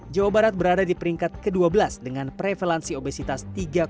jawa barat berada di peringkat ke dua belas dengan prevalansi obesitas tiga empat